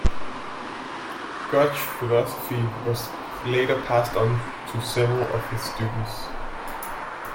Gotch's philosophy was later passed on to several of his students.